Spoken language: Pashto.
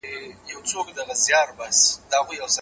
تاسو بايد د سياست پوهني په اړه د کتابتونونو ګټه واخلئ.